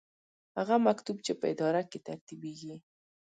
هغه مکتوب چې په اداره کې ترتیبیږي.